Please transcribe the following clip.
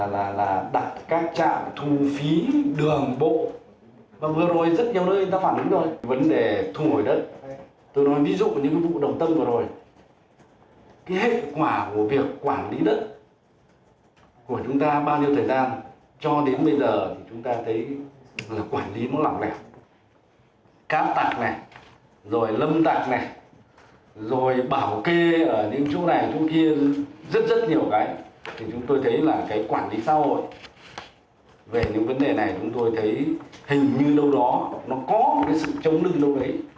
lâm tạc này rồi bảo kê ở những chỗ này chỗ kia rất rất nhiều cái thì chúng tôi thấy là cái quản lý xã hội về những vấn đề này chúng tôi thấy hình như đâu đó nó có sự chống lưu đâu đấy